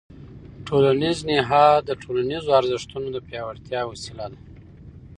ټولنیز نهاد د ټولنیزو ارزښتونو د پیاوړتیا وسیله ده.